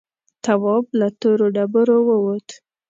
تواب له تورو ډبرو ووت.